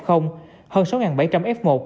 hơn sáu bảy trăm linh f một